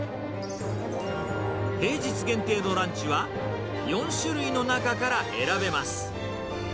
平日限定のランチは、４種類の中から選べます。